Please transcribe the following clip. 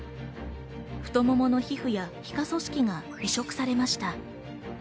太ももの皮膚や皮下組織が移植されました。